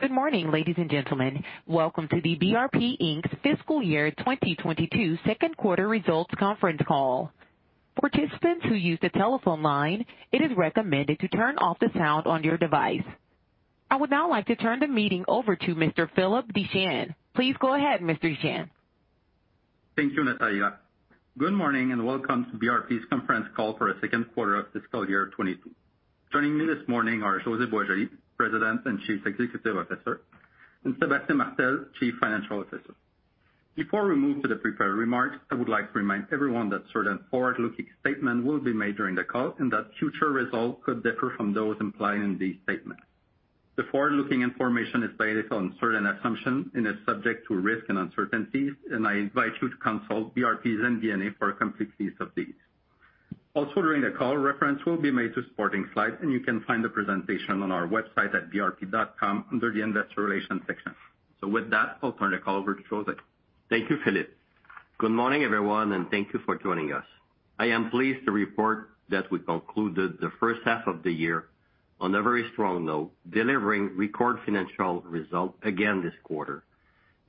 Good morning, ladies and gentlemen. Welcome to the BRP Inc.'s fiscal year 2022 second quarter results conference call. Participants who use the telephone line, it is recommended to turn off the sound on your device. I would now like to turn the meeting over to Mr. Philippe Deschênes. Please go ahead, Mr. Deschênes. Thank you, Natalia. Good morning and welcome to BRP's conference call for the 2nd quarter of fiscal year 2022. Joining me this morning are José Boisjoli, President and Chief Executive Officer, and Sébastien Martel, Chief Financial Officer. Before we move to the prepared remarks, I would like to remind everyone that certain forward-looking statements will be made during the call and that future results could differ from those implied in these statements. The forward-looking information is based on certain assumptions and is subject to risk and uncertainties, and I invite you to consult BRP's MD&A for a complete list of these. Also during the call, reference will be made to supporting slides, and you can find the presentation on our website at brp.com under the investor relations section. With that, I'll turn the call over to José. Thank you, Philippe. Good morning, everyone, and thank you for joining us. I am pleased to report that we concluded the first half of the year on a very strong note, delivering record financial results again this quarter,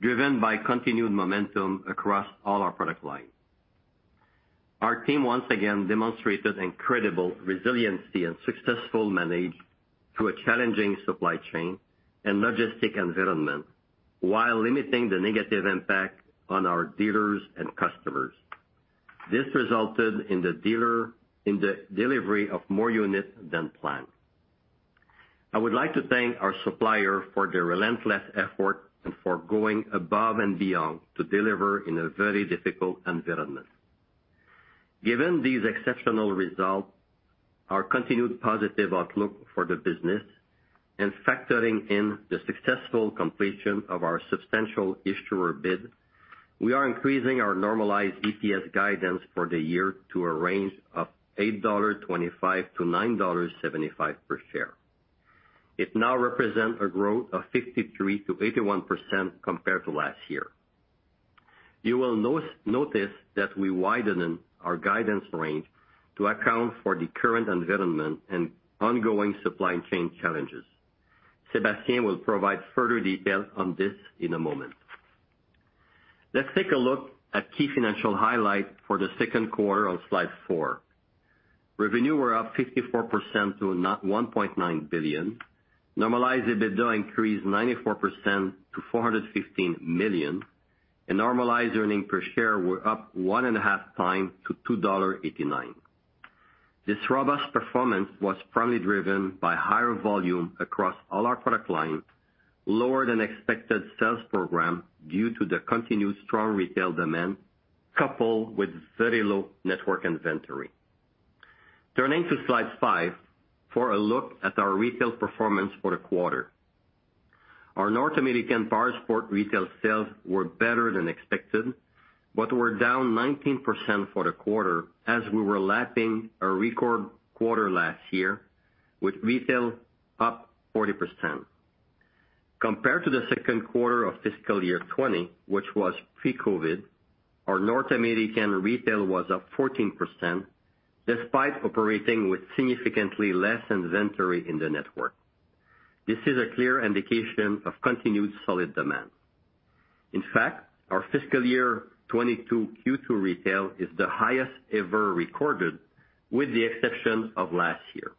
driven by continued momentum across all our product lines. Our team once again demonstrated incredible resiliency and successfully managed through a challenging supply chain and logistic environment while limiting the negative impact on our dealers and customers. This resulted in the delivery of more units than planned. I would like to thank our supplier for their relentless effort and for going above and beyond to deliver in a very difficult environment. Given these exceptional results, our continued positive outlook for the business, and factoring in the successful completion of our substantial issuer bid, we are increasing our normalized EPS guidance for the year to a range of 8.25-9.75 dollars per share. It now represents a growth of 53%-81% compared to last year. You will notice that we widened our guidance range to account for the current environment and ongoing supply chain challenges. Sébastien will provide further details on this in a moment. Let's take a look at key financial highlights for the second quarter on slide four. Revenue were up 54% to 1.9 billion. Normalized EBITDA increased 94% to 415 million, and normalized earnings per share were up 1.5x to 2.89 dollar. This robust performance was primarily driven by higher volume across all our product lines, lower than expected sales program due to the continued strong retail demand, coupled with very low network inventory. T urning to slide five for a look at our retail performance for the quarter. Our North American Powersport retail sales were better than expected but were down 19% for the quarter as we were lapping a record quarter last year with retail up 40%. Compared to the second quarter of fiscal year 2020, which was pre-COVID, our North American retail was up 14%, despite operating with significantly less inventory in the network. This is a clear indication of continued solid demand. In fact, our fiscal year 2022 Q2 retail is the highest ever recorded with the exception of last year.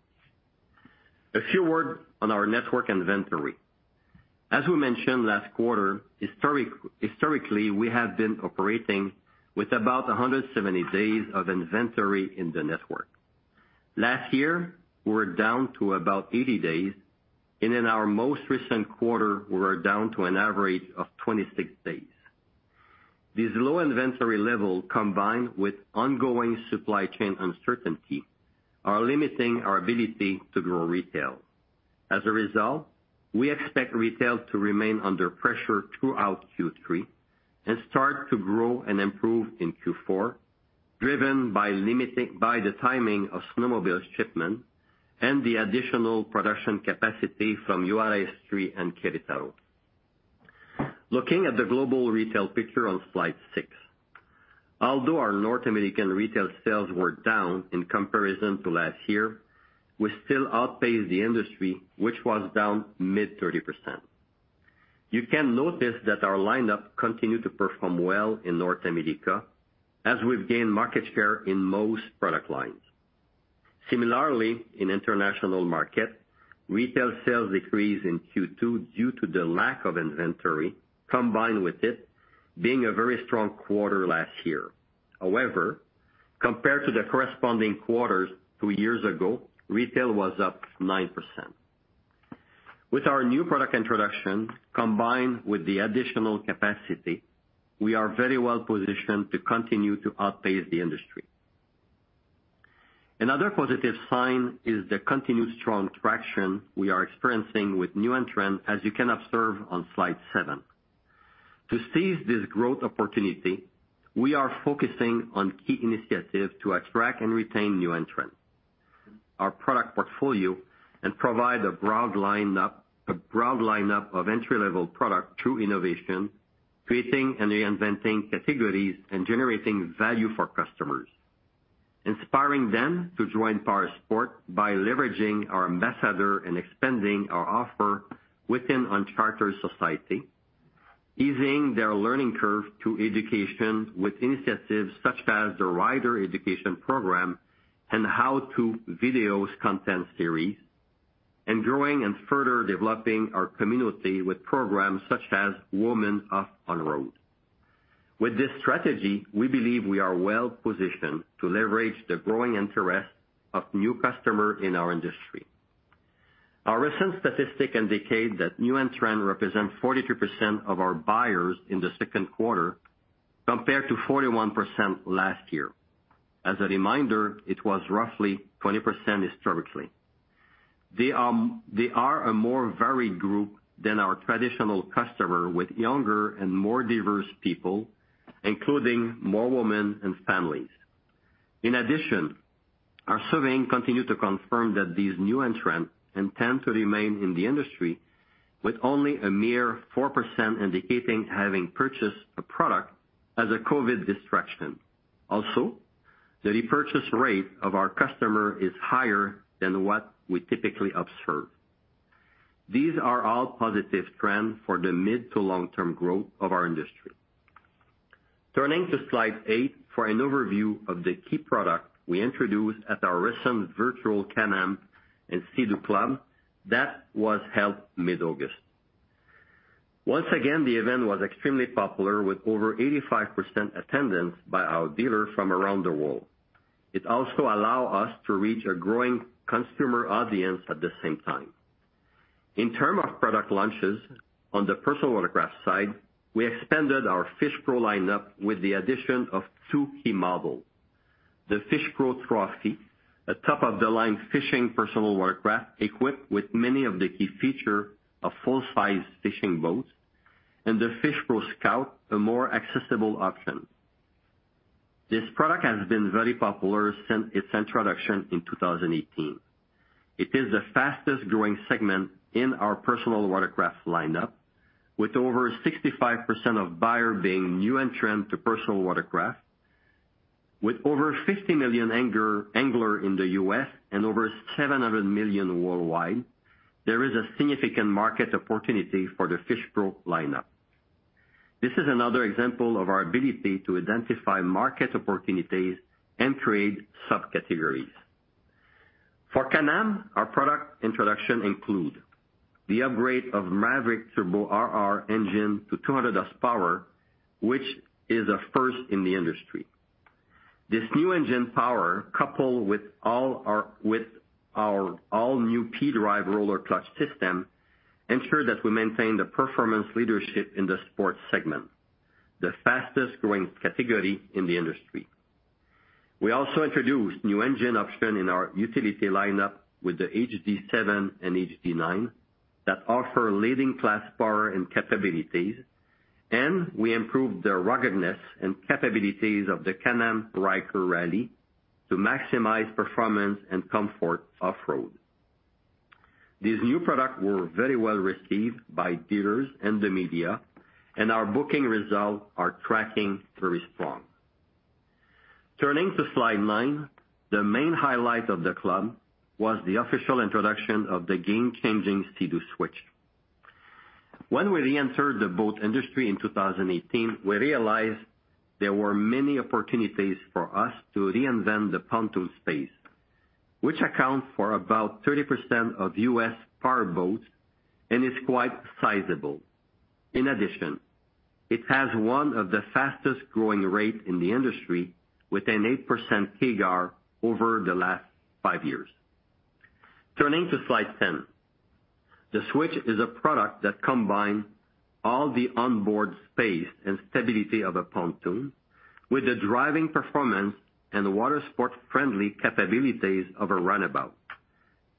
A few words on our network inventory. As we mentioned last quarter, historically, we have been operating with about 170 days of inventory in the network. Last year, we were down to about 80 days, and in our most recent quarter, we were down to an average of 26 days. This low inventory level, combined with ongoing supply chain uncertainty, are limiting our ability to grow retail. As a result, we expect retail to remain under pressure throughout Q3 and start to grow and improve in Q4, driven by the timing of snowmobile shipment and the additional production capacity from Juárez 3 and Querétaro. Looking at the global retail picture on slide six. Although our North American retail sales were down in comparison to last year, we still outpaced the industry, which was down mid-30%. You can notice that our lineup continued to perform well in North America as we've gained market share in most product lines. Similarly, in international market, retail sales decreased in Q2 due to the lack of inventory, combined with it being a very strong quarter last year. However, compared to the corresponding quarters two years ago, retail was up 9%. With our new product introduction, combined with the additional capacity, we are very well positioned to continue to outpace the industry. Another positive sign is the continued strong traction we are experiencing with new entrants, as you can observe on slide seven. To seize this growth opportunity, we are focusing on key initiatives to attract and retain new entrants. Our product portfolio provide a broad lineup of entry-level product through innovation, creating and reinventing categories, and generating value for customers. Inspiring them to join powersports by leveraging our ambassador and expanding our offer within Uncharted Society. Easing their learning curve to education with initiatives such as the Rider Education Program and how-to videos content series, and growing and further developing our community with programs such as Women of On-Road. With this strategy, we believe we are well positioned to leverage the growing interest of new customer in our industry. Our recent statistic indicate that new entrant represent 42% of our buyers in the second quarter, compared to 41% last year. As a reminder, it was roughly 20% historically. They are a more varied group than our traditional customer, with younger and more diverse people, including more women and families. In addition, our surveying continued to confirm that these new entrants intend to remain in the industry with only a mere 4% indicating having purchased a product as a COVID distraction. Also, the repurchase rate of our customer is higher than what we typically observe. These are all positive trends for the mid-to-long-term growth of our industry. Turning to slide eight for an overview of the key product we introduced at our recent virtual Can-Am and Sea-Doo club that was held mid-August. Once again, the event was extremely popular with over 85% attendance by our dealer from around the world. It also allow us to reach a growing consumer audience at the same time. In term of product launches, on the personal watercraft side, we expanded our FishPro lineup with the addition of two key model. The FishPro Trophy, a top-of-the-line fishing personal watercraft equipped with many of the key feature of full-size fishing boats, and the FishPro Scout, a more accessible option. This product has been very popular since its introduction in 2018. It is the fastest growing segment in our personal watercraft lineup, with over 65% of buyer being new entrant to personal watercraft. With over 50 million angler in the U.S. and over 700 million worldwide, there is a significant market opportunity for the FishPro lineup. This is another example of our ability to identify market opportunities and create subcategories. For Can-Am, our product introduction include the upgrade of Maverick Turbo RR engine to 200 horsepower, which is a first in the industry. This new engine power, coupled with our all-new pDrive roller clutch system, ensure that we maintain the performance leadership in the sports segment, the fastest growing category in the industry. We also introduced new engine option in our utility lineup with the HD7 and HD9 that offer leading class power and capabilities, and we improved the ruggedness and capabilities of the Can-Am Ryker Rally to maximize performance and comfort off-road. These new product were very well received by dealers and the media, and our booking results are tracking very strong. Turning to slide nine, the main highlight of the club was the official introduction of the game-changing Sea-Doo Switch. When we reentered the boat industry in 2018, we realized there were many opportunities for us to reinvent the pontoon space, which account for about 30% of U.S. power boats and is quite sizable. In addition, it has one of the fastest growing rate in the industry with an 8% CAGR over the last five years. Turning to slide 10. The Switch is a product that combine all the onboard space and stability of a pontoon with the driving performance and the water sport-friendly capabilities of a runabout.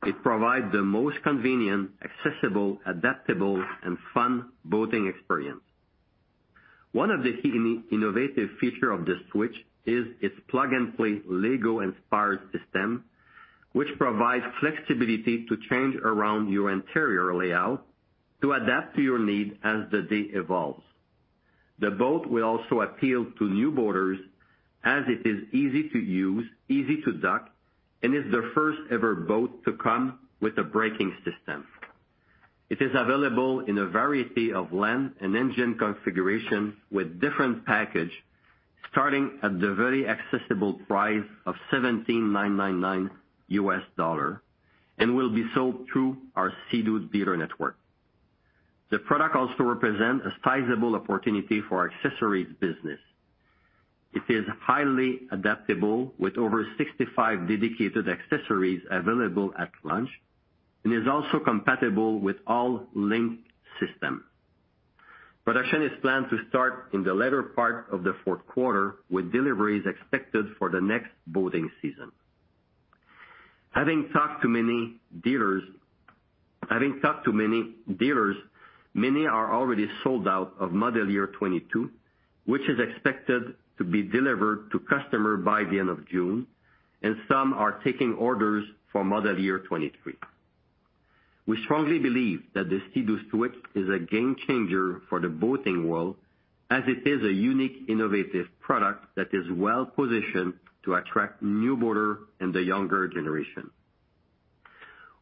It provide the most convenient, accessible, adaptable, and fun boating experience. One of the key innovative feature of the Switch is its plug-and-play Lego-inspired system, which provides flexibility to change around your interior layout to adapt to your need as the day evolves. The boat will also appeal to new boaters as it is easy to use, easy to dock, and is the first ever boat to come with a braking system. It is available in a variety of length and engine configuration with different package, starting at the very accessible price of $17,999, and will be sold through our Sea-Doo dealer network. The product also represent a sizable opportunity for our accessories business. It is highly adaptable with over 65 dedicated accessories available at launch, and is also compatible with all LinQ system. Production is planned to start in the latter part of the fourth quarter, with deliveries expected for the next boating season. Having talked to many dealers, many are already sold out of model year 2022, which is expected to be delivered to customer by the end of June, and some are taking orders for model year 2023. We strongly believe that the Sea-Doo Switch is a game changer for the boating world as it is a unique, innovative product that is well-positioned to attract new boater and the younger generation.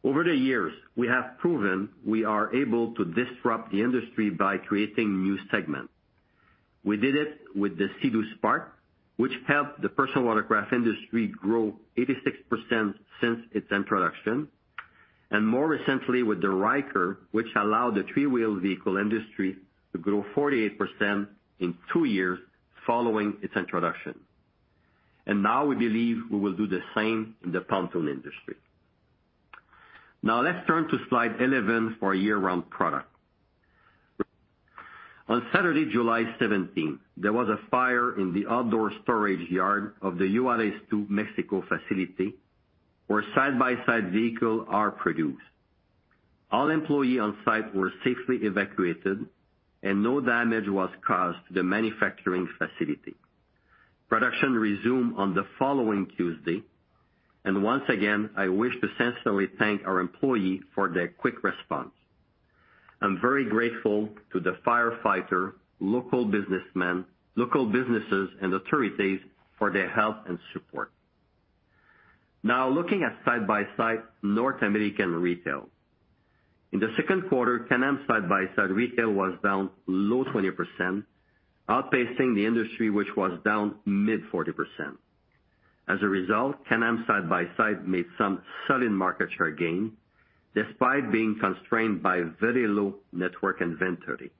Over the years, we have proven we are able to disrupt the industry by creating new segment. We did it with the Sea-Doo Spark, which helped the personal watercraft industry grow 86% since its introduction. More recently with the Ryker, which allowed the three-wheeled vehicle industry to grow 48% in two years following its introduction. Now we believe we will do the same in the pontoon industry. Now let's turn to slide 11 for a year-round product. On Saturday, July 17th, there was a fire in the outdoor storage yard of the Juárez 2 Mexico facility where side-by-side vehicle are produced. All employee on site were safely evacuated and no damage was caused to the manufacturing facility. Production resume on the following Tuesday, and once again, I wish to sincerely thank our employee for their quick response. I'm very grateful to the firefighter, local businesses, and authorities for their help and support. Now looking at side-by-side North American retail. In the second quarter, Can-Am side-by-side retail was down low 20%, outpacing the industry which was down mid 40%. As a result, Can-Am side-by-side made some sudden market share gain, despite being constrained by very low network inventory.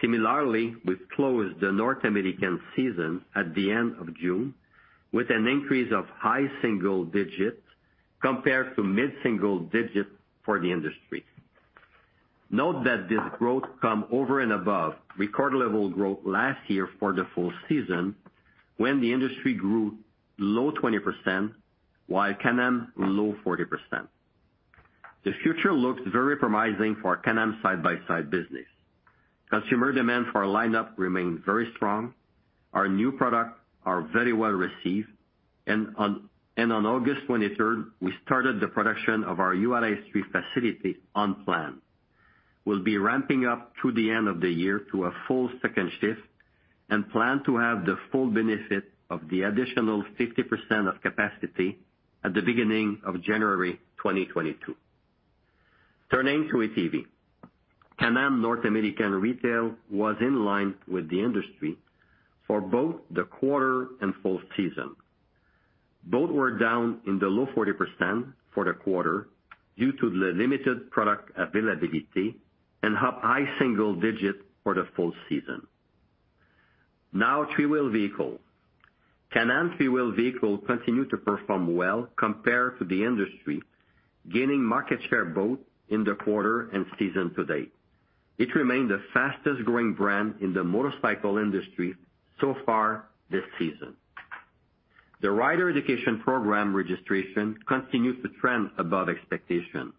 Similarly, we've closed the North American season at the end of June with an increase of high single-digit compared to mid single digits for the industry. Note that this growth come over and above record-level growth last year for the full season when the industry grew low 20%, while Can-Am low 40%. The future looks very promising for Can-Am side-by-side business. Consumer demand for our lineup remained very strong. Our new product are very well-received. On August 23rd, we started the production of our Juárez 3 facility on plan. We'll be ramping up to the end of the year to a full second shift and plan to have the full benefit of the additional 50% of capacity at the beginning of January 2022. Turning to ATV. Can-Am North American retail was in line with the industry for both the quarter and full season. Both were down in the low 40% for the quarter due to the limited product availability and up high single-digit for the full season. Now, three-wheel vehicle. Can-Am three-wheel vehicle continue to perform well compared to the industry, gaining market share both in the quarter and season-to-date. It remained the fastest growing brand in the motorcycle industry so far this season. The Rider Education Program registration continues to trend above expectation.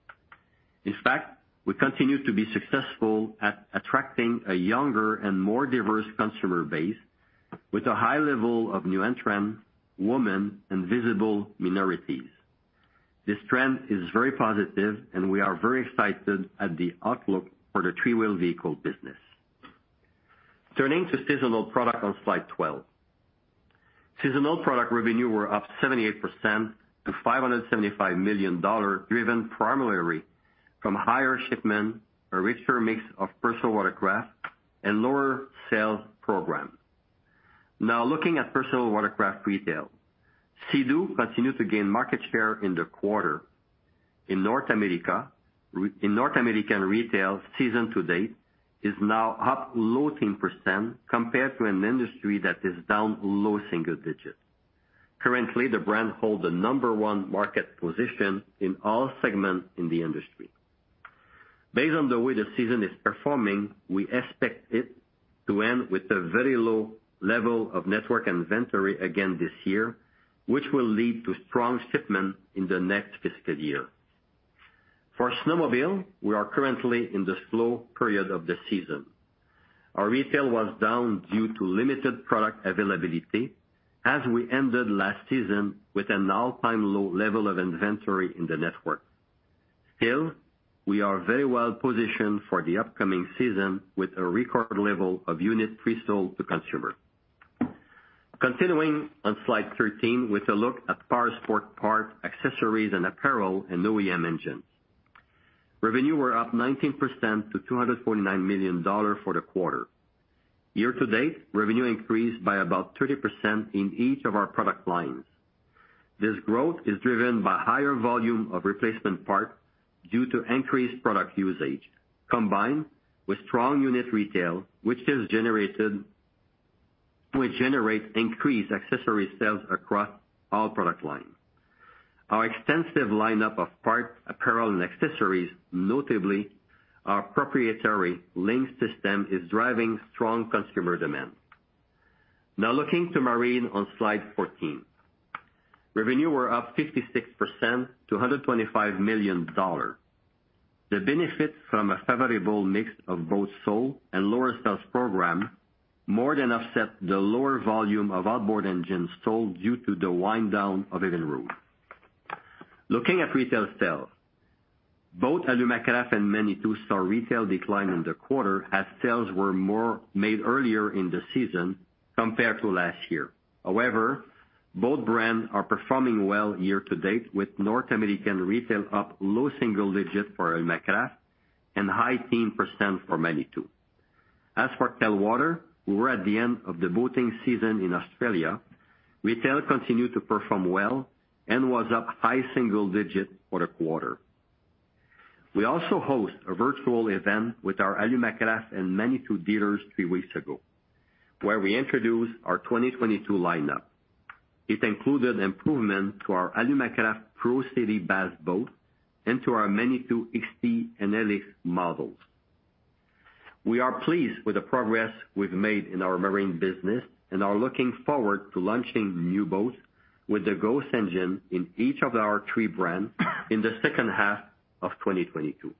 In fact, we continue to be successful at attracting a younger and more diverse consumer base with a high level of new entrant, woman, and visible minorities. This trend is very positive and we are very excited at the outlook for the three-wheel vehicle business. Turning to seasonal product on slide 12. Seasonal product revenue were up 78% to 575 million dollar, driven primarily from higher shipment, a richer mix of personal watercraft, and lower sales program. Now looking at personal watercraft retail. Sea-Doo continue to gain market share in the quarter. In North American retail, season-to-date is now up low 10% compared to an industry that is down low single-digit. Currently, the brand hold the number one market position in all segment in the industry. Based on the way the season is performing, we expect it to end with a very low level of network inventory again this year, which will lead to strong shipment in the next fiscal year. For snowmobile, we are currently in the slow period of the season. Our retail was down due to limited product availability as we ended last season with an all-time low level of inventory in the network. Still, we are very well positioned for the upcoming season with a record level of unit presold to consumer. Continuing on slide 13 with a look at Powersport parts, accessories, and apparel and OEM engines. Revenue were up 19% to 249 million dollars for the quarter. Year-to-date, revenue increased by about 30% in each of our product lines. This growth is driven by higher volume of replacement part due to increased product usage, combined with strong unit retail, which generate increased accessory sales across all product line. Our extensive lineup of parts, apparel, and accessories, notably our proprietary LinQ system, is driving strong consumer demand. Looking to marine on slide 14. Revenue were up 56% to 125 million dollars. The benefit from a favorable mix of both sold and lower sales program more than offset the lower volume of outboard engines sold due to the wind down of Evinrude. Looking at retail sales, both Alumacraft and Manitou saw retail decline in the quarter as sales were more made earlier in the season compared to last year. However, both brands are performing well year-to-date with North American retail up low single-digit for Alumacraft and high teen percent for Manitou. As for Telwater, we were at the end of the boating season in Australia. Retail continued to perform well and was up high single-digit for the quarter. We also host a virtual event with our Alumacraft and Manitou dealers three weeks ago, where we introduced our 2022 lineup. It included improvement to our Alumacraft Pro Series Bass boat and to our Manitou XT and LX models. We are pleased with the progress we've made in our marine business and are looking forward to launching new boats with the Ghost engine in each of our three brands in the second half of 2022.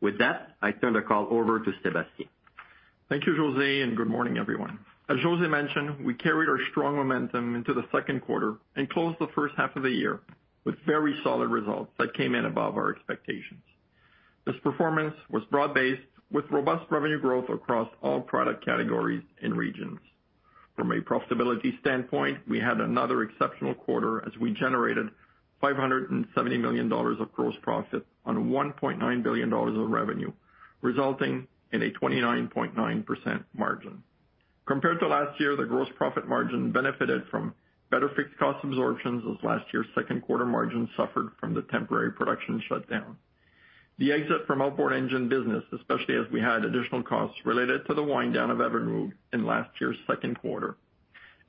With that, I turn the call over to Sébastien. Thank you, José, and good morning, everyone. As José mentioned, we carried our strong momentum into the second quarter and closed the first half of the year with very solid results that came in above our expectations. This performance was broad-based with robust revenue growth across all product categories and regions. From a profitability standpoint, we had another exceptional quarter as we generated 570 million dollars of gross profit on 1.9 billion dollars of revenue, resulting in a 29.9% margin. Compared to last year, the gross profit margin benefited from better fixed cost absorptions as last year's second quarter margin suffered from the temporary production shutdown. The exit from outboard engine business, especially as we had additional costs related to the wind down of Evinrude in last year's second quarter,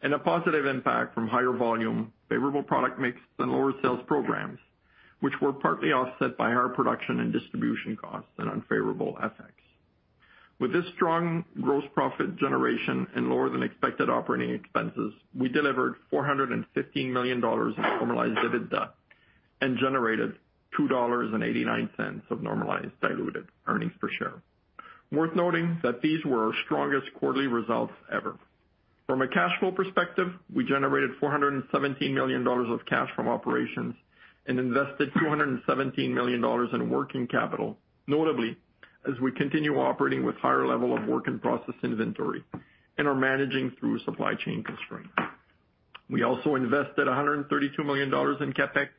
and a positive impact from higher volume, favorable product mix, and lower sales programs, which were partly offset by our production and distribution costs and unfavorable FX. With this strong gross profit generation and lower than expected operating expenses, we delivered 415 million dollars in normalized EBITDA and generated 2.89 dollars of normalized diluted EPS. Worth noting that these were our strongest quarterly results ever. From a cash flow perspective, we generated 417 million dollars of cash from operations and invested 217 million dollars in working capital, notably, as we continue operating with higher level of work in process inventory and are managing through supply chain constraints. We also invested 132 million dollars in CapEx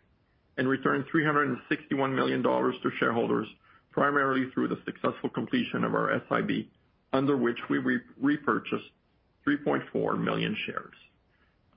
and returned 361 million dollars to shareholders, primarily through the successful completion of our SIB, under which we repurchased 3.4 million shares.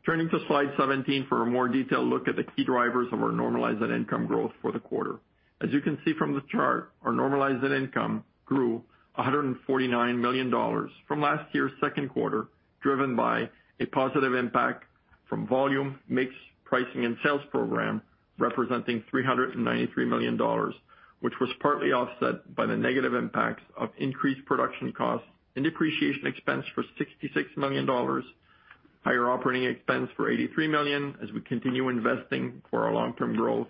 Turning to slide 17 for a more detailed look at the key drivers of our normalized net income growth for the quarter. As you can see from the chart, our normalized net income grew 149 million dollars from last year's second quarter, driven by a positive impact from volume, mix, pricing and sales program, representing 393 million dollars, which was partly offset by the negative impacts of increased production costs and depreciation expense for 66 million dollars, higher operating expense for 83 million as we continue investing for our long-term growth,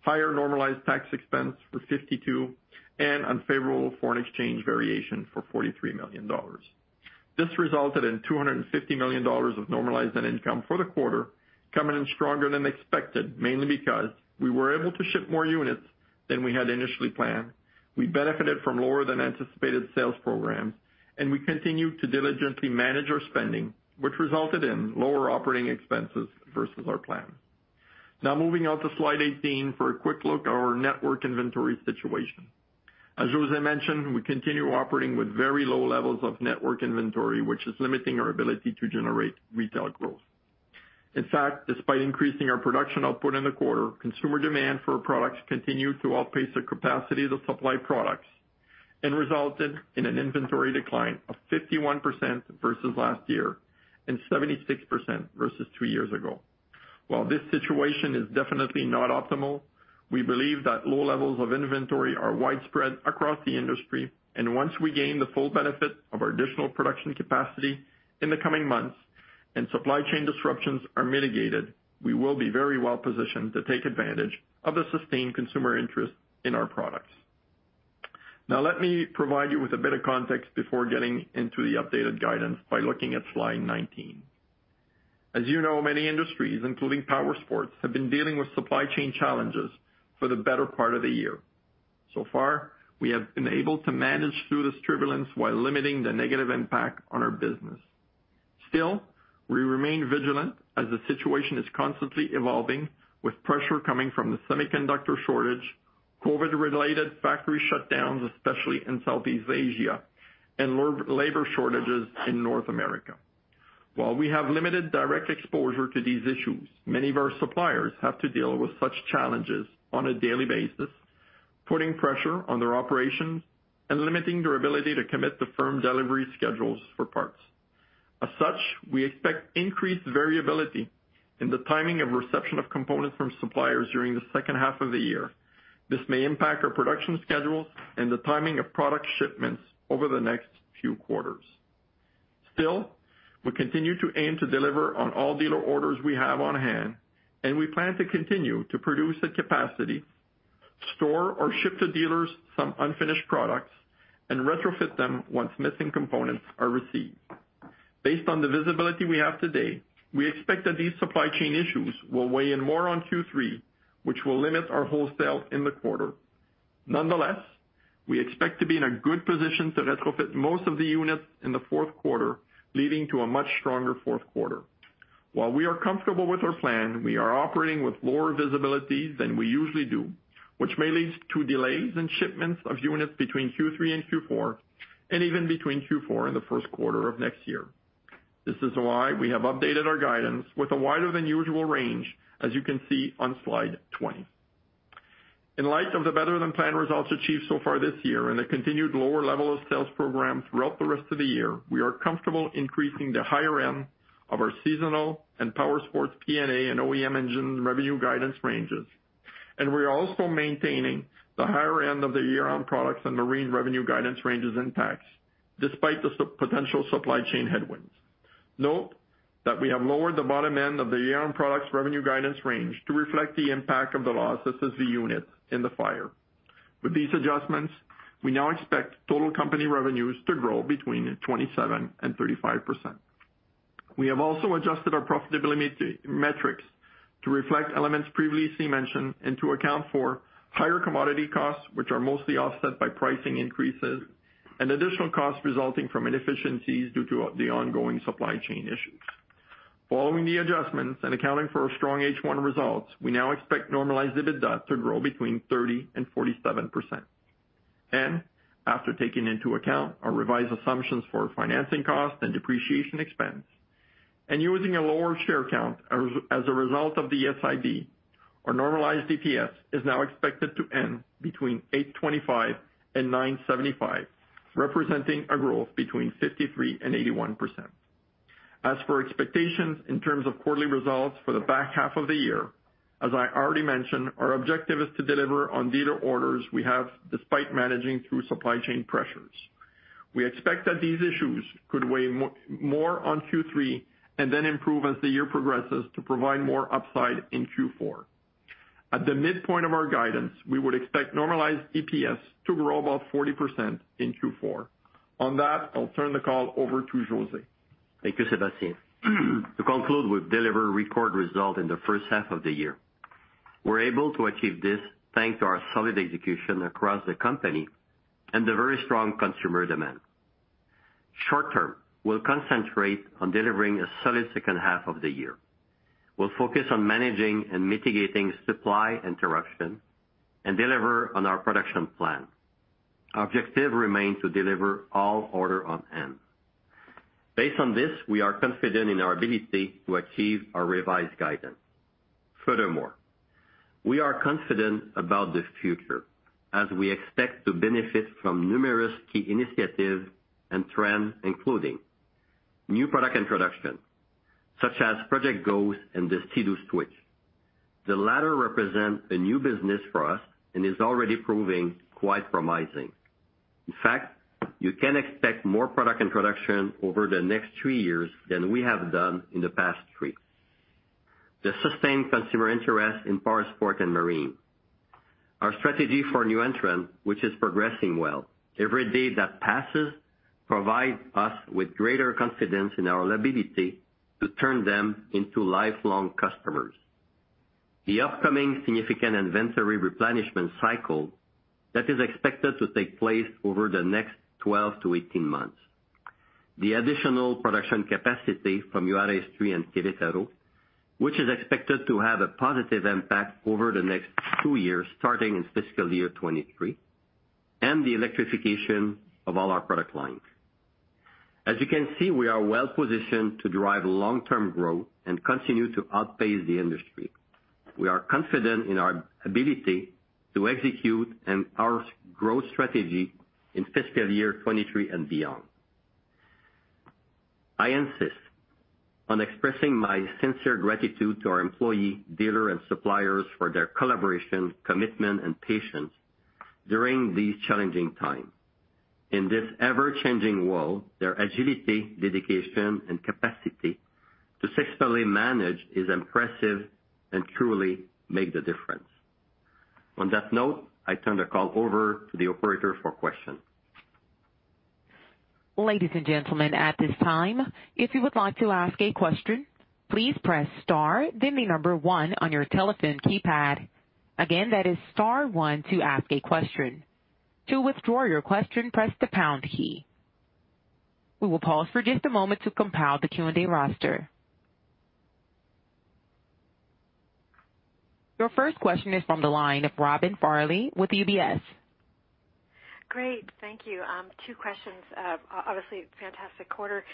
higher normalized tax expense for 52 million, and unfavorable foreign exchange variation for 43 million dollars. This resulted in 250 million dollars of normalized net income for the quarter, coming in stronger than expected, mainly because we were able to ship more units than we had initially planned, we benefited from lower than anticipated sales programs, and we continued to diligently manage our spending, which resulted in lower operating expenses versus our plan. Now moving on to slide 18 for a quick look at our network inventory situation. As José mentioned, we continue operating with very low levels of network inventory, which is limiting our ability to generate retail growth. In fact, despite increasing our production output in the quarter, consumer demand for our products continued to outpace the capacity to supply products and resulted in an inventory decline of 51% versus last year and 76% versus three years ago. While this situation is definitely not optimal, we believe that low levels of inventory are widespread across the industry, and once we gain the full benefit of our additional production capacity in the coming months, and supply chain disruptions are mitigated, we will be very well positioned to take advantage of the sustained consumer interest in our products. Now, let me provide you with a bit of context before getting into the updated guidance by looking at slide 19. As you know, many industries, including powersports, have been dealing with supply chain challenges for the better part of the year. So far, we have been able to manage through this turbulence while limiting the negative impact on our business. Still, we remain vigilant as the situation is constantly evolving with pressure coming from the semiconductor shortage, COVID-related factory shutdowns, especially in Southeast Asia, and labor shortages in North America. While we have limited direct exposure to these issues, many of our suppliers have to deal with such challenges on a daily basis, putting pressure on their operations and limiting their ability to commit to firm delivery schedules for parts. As such, we expect increased variability in the timing of reception of components from suppliers during the second half of the year. This may impact our production schedules and the timing of product shipments over the next few quarters. Still, we continue to aim to deliver on all dealer orders we have on hand, and we plan to continue to produce at capacity, store or ship to dealers some unfinished products and retrofit them once missing components are received. Based on the visibility we have today, we expect that these supply chain issues will weigh in more on Q3, which will limit our wholesale in the quarter. Nonetheless, we expect to be in a good position to retrofit most of the units in the fourth quarter, leading to a much stronger fourth quarter. While we are comfortable with our plan, we are operating with lower visibility than we usually do, which may lead to delays in shipments of units between Q3 and Q4, and even between Q4 and the first quarter of next year. This is why we have updated our guidance with a wider than usual range, as you can see on slide 20. In light of the better-than-planned results achieved so far this year and the continued lower level of sales program throughout the rest of the year, we are comfortable increasing the higher end of our seasonal and powersports P&A and OEM engine revenue guidance ranges. We are also maintaining the higher end of the year-on products and marine revenue guidance ranges intact, despite the potential supply chain headwinds. Note that we have lowered the bottom end of the year-on products revenue guidance range to reflect the impact of the loss of the unit in the fire. With these adjustments, we now expect total company revenues to grow between 27% and 35%. We have also adjusted our profitability metrics to reflect elements previously mentioned and to account for higher commodity costs, which are mostly offset by pricing increases, and additional costs resulting from inefficiencies due to the ongoing supply chain issues. Following the adjustments and accounting for our strong H1 results, we now expect normalized EBITDA to grow between 30% and 47%. After taking into account our revised assumptions for financing cost and depreciation expense and using a lower share count as a result of the SIB, our normalized EPS is now expected to end between 8.25 and 9.75, representing a growth between 53% and 81%. For expectations in terms of quarterly results for the back half of the year, as I already mentioned, our objective is to deliver on dealer orders we have, despite managing through supply chain pressures. We expect that these issues could weigh more on Q3 and then improve as the year progresses to provide more upside in Q4. At the midpoint of our guidance, we would expect normalized EPS to grow about 40% in Q4. On that, I will turn the call over to José. Thank you, Sébastien. To conclude, we've delivered record results in the first half of the year. We're able to achieve this thanks to our solid execution across the company and the very strong consumer demand. Short term, we'll concentrate on delivering a solid second half of the year. We'll focus on managing and mitigating supply interruption and deliver on our production plan. Our objective remains to deliver all orders on hand. Based on this, we are confident in our ability to achieve our revised guidance. Furthermore, we are confident about the future as we expect to benefit from numerous key initiatives and trends, including new product introduction, such as Project Ghost and the Sea-Doo Switch. The latter represents a new business for us and is already proving quite promising. In fact, you can expect more product introduction over the next three years than we have done in the past three. The sustained consumer interest in powersports and marine. Our strategy for new entrants, which is progressing well. Every day that passes provides us with greater confidence in our ability to turn them into lifelong customers. The upcoming significant inventory replenishment cycle that is expected to take place over the next 12 to 18 months. The additional production capacity from Juárez 3 and Querétaro, which is expected to have a positive impact over the next two years, starting in fiscal year 2023, and the electrification of all our product lines. As you can see, we are well positioned to drive long-term growth and continue to outpace the industry. We are confident in our ability to execute and power growth strategy in fiscal year 2023 and beyond. I insist on expressing my sincere gratitude to our employee, dealer, and suppliers for their collaboration, commitment, and patience during these challenging times. In this ever-changing world, their agility, dedication, and capacity to successfully manage is impressive and truly make the difference. On that note, I turn the call over to the operator for question. Ladies and gentlemen, at this time, if you would like to ask a question, please press star, then the number one on your telephone keypad. Again, that is star one to ask a question. To withdraw your question, press the pound key. We will pause for just a moment to compile the Q&A roster. Your first question is from the line of Robin Farley with UBS. Great. Thank you. two questions. Obviously, fantastic quarter.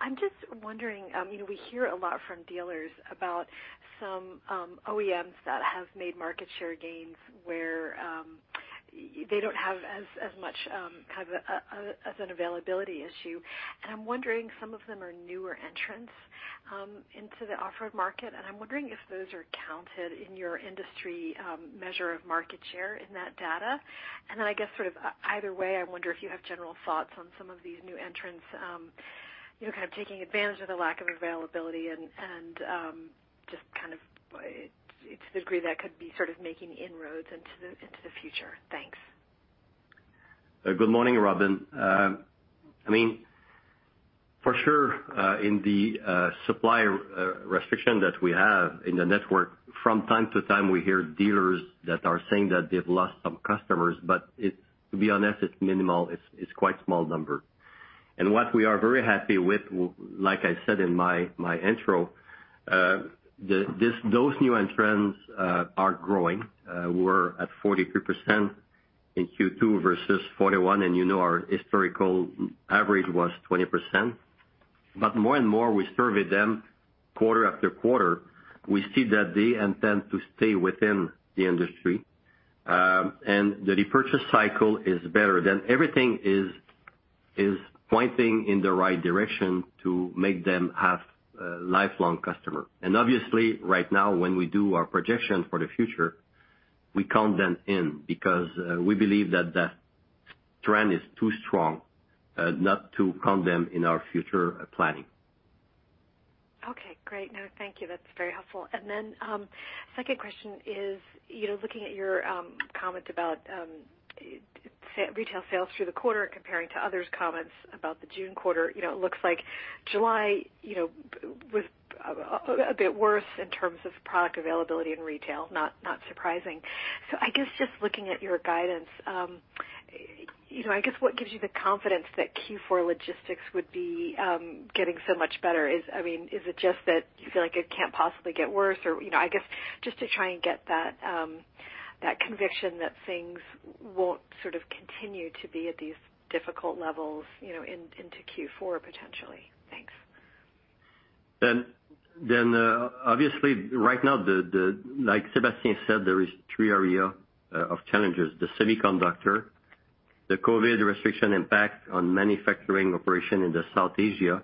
I'm just wondering, we hear a lot from dealers about some OEMs that have made market share gains where they don't have as much of an availability issue. I'm wondering, some of them are newer entrants into the off-road market, and I'm wondering if those are counted in your industry measure of market share in that data. I guess sort of either way, I wonder if you have general thoughts on some of these new entrants. They're kind of taking advantage of the lack of availability and just to the degree that could be sort of making inroads into the future. Thanks. Good morning, Robin. For sure, in the supply restriction that we have in the network, from time to time, we hear dealers that are saying that they've lost some customers, but to be honest, it's minimal. It's quite small number. What we are very happy with, like I said in my intro, those new entrants are growing. We're at 43% in Q2 versus 41%, and you know our historical average was 20%. More and more we survey them quarter after quarter. We see that they intend to stay within the industry. The repurchase cycle is better. Everything is pointing in the right direction to make them have lifelong customer. Obviously, right now, when we do our projection for the future, we count them in, because we believe that trend is too strong not to count them in our future planning. Okay, great. No, thank you. That's very helpful. Second question is, looking at your comment about retail sales through the quarter and comparing to others' comments about the June quarter, it looks like July was a bit worse in terms of product availability in retail. Not surprising. I guess just looking at your guidance, I guess what gives you the confidence that Q4 logistics would be getting so much better? Is it just that you feel like it can't possibly get worse or, I guess, just to try and get that conviction that things won't sort of continue to be at these difficult levels, you know, into Q4 potentially. Thanks. Obviously, right now, like Sébastien said, there is three area of challenges, the semiconductor, the COVID restriction impact on manufacturing operation in Southeast Asia,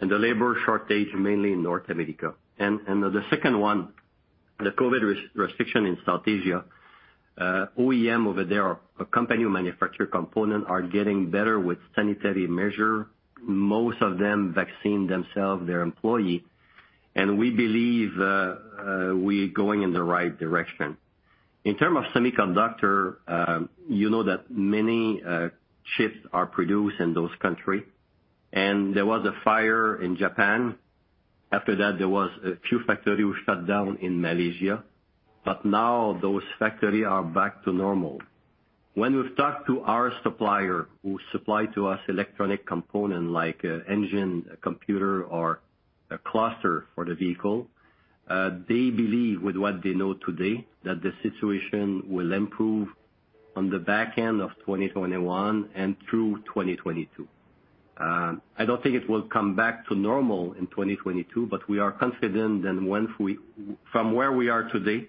and the labor shortage, mainly in North America. The second one, the COVID restriction in Southeast Asia, OEM over there, a company who manufacture component, are getting better with sanitary measure. Most of them vaccine themselves, their employee. We believe we going in the right direction. In term of semiconductor, you know that many chips are produced in those country. There was a fire in Japan. After that, there was a few factory who shut down in Malaysia. Now those factory are back to normal. When we've talked to our supplier who supply to us electronic component like engine, computer, or a cluster for the vehicle, they believe with what they know today, that the situation will improve on the back end of 2021 and through 2022. I don't think it will come back to normal in 2022, but we are confident that from where we are today,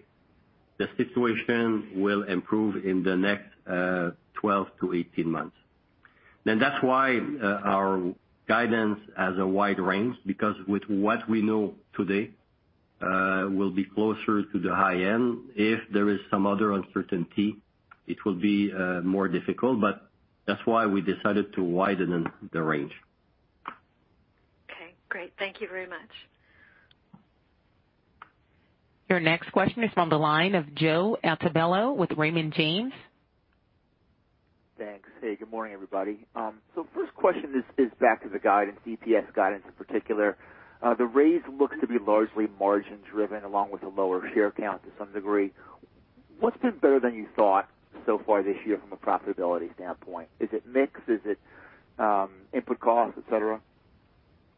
the situation will improve in the next 12 to 18 months. That's why our guidance has a wide range, because with what we know today, we'll be closer to the high end. If there is some other uncertainty, it will be more difficult, but that's why we decided to widen the range. Okay, great. Thank You very much. Your next question is from the line of Joe Altobello with Raymond James. Thanks. Hey, good morning, everybody. First question is back to the guidance, EPS guidance in particular. The raise looks to be largely margin-driven, along with a lower share count to some degree. What's been better than you thought so far this year from a profitability standpoint? Is it mix? Is it input cost, et cetera?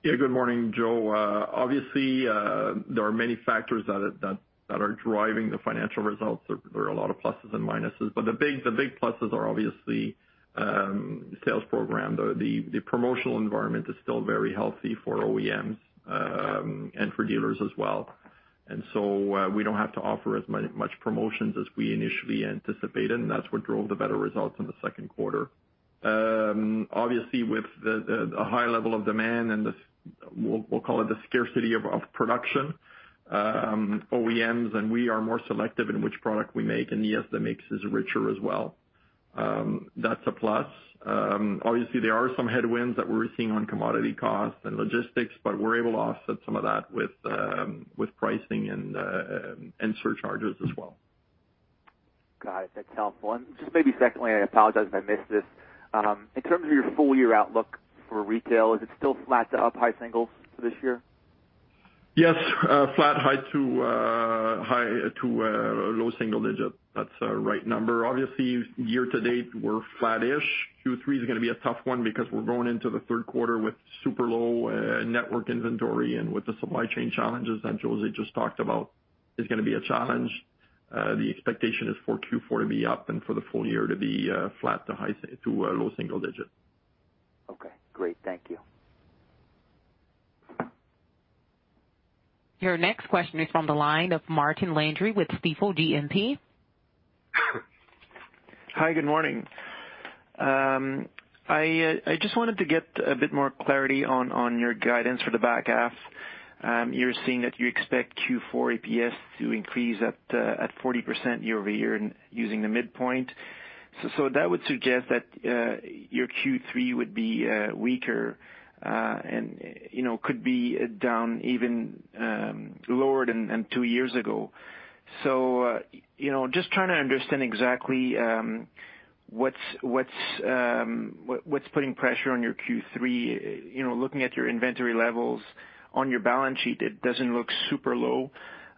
Yeah. Good morning, Joe. Obviously, there are many factors that are driving the financial results. There are a lot of pluses and minuses. The big pluses are obviously sales program. The promotional environment is still very healthy for OEMs, and for dealers as well. We don't have to offer as much promotions as we initially anticipated, and that's what drove the better results in the second quarter. With a high level of demand and the, we'll call it, the scarcity of production, OEMs and we are more selective in which product we make, and yes, the mix is richer as well. That's a plus. There are some headwinds that we're seeing on commodity cost and logistics, but we're able to offset some of that with pricing and surcharges as well. Got it. That is helpful. Just maybe secondly, I apologize if I missed this. In terms of your full-year outlook for retail, is it still flat to up high singles for this year? Yes. Flat high to low single-digit. That's the right number. Year-to-date, we're flat-ish. Q3 is going to be a tough one because we're going into the third quarter with super low network inventory and with the supply chain challenges that José just talked about is going to be a challenge. The expectation is for Q4 to be up and for the full year to be flat to low single-digit. Okay. Great. Thank you. Your next question is from the line of Martin Landry with Stifel GMP. Hi. Good morning. I just wanted to get a bit more clarity on your guidance for the back half. You're saying that you expect Q4 EPS to increase at 40% year-over-year using the midpoint. That would suggest that your Q3 would be weaker and could be down even lower than two years ago. Just trying to understand exactly what's putting pressure on your Q3, looking at your inventory levels on your balance sheet, it doesn't look super low.